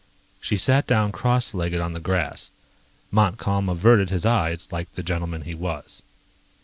She sat down cross legged on the grass. Montcalm averted his eyes, like the gentleman he was.